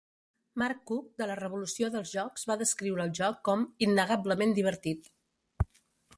Mark Cooke de la revolució dels jocs va descriure el joc com "innegablement divertit".